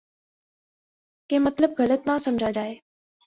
کہ مطلب غلط نہ سمجھا جائے۔